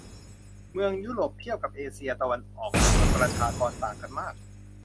เมืองยุโรปเทียบกับเอเชียตะวันออก จำนวนประชากรต่างกันมาก